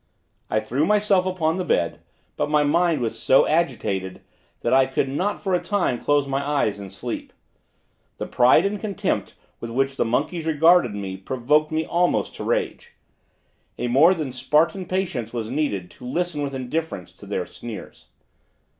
I threw myself upon the bed, but my mind was so agitated, that I could not for a time close my eyes in sleep. The pride and contempt with which the monkeys regarded me, provoked me almost to rage. A more than Spartan patience was needed to listen with indifference to their sneers.